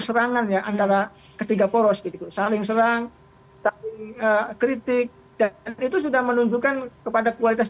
serangan ya antara ketiga poros gitu saling serang saling kritik dan itu sudah menunjukkan kepada kualitas